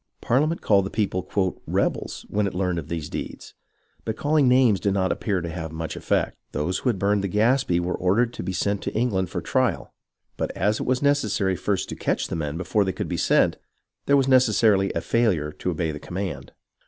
Parliament called the people " rebels " when it learned of these deeds, but caUing names did not appear to have much effect. Those who had burned the Gaspee were ordered to be sent to England for trial, but as it was neces sary first to catch the men before they could be sent, there was necessarily a failure to obey the command.